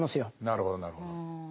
なるほどなるほど。